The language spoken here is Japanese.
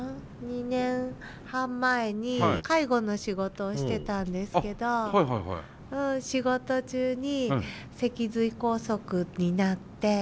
２年半前に介護の仕事をしてたんですけど仕事中に脊髄梗塞になって。